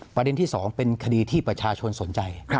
ประเด็นที่๒เป็นคดีที่ประชาชนสนใจ